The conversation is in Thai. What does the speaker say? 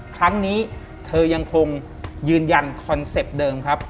ครั้งนี้เธอยังคงยืนยันคอนเซ็ปต์เดิมครับ